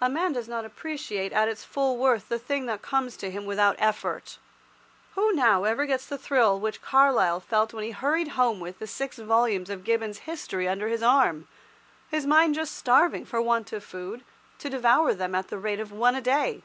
A man does not appreciate at its full worth the thing that comes to him without effort. Who now ever gets the thrill which Carlyle felt when he hurried home with the six volumes of Gibbon's "History" under his arm, his mind just starving for want of food, to devour them at the rate of one a day?